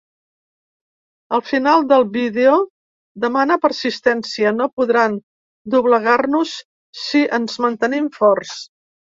Al final del vídeo demana persistència: No podran doblegar-nos si ens mantenim forts.